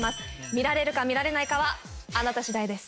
見られるか見られないかはあなた次第です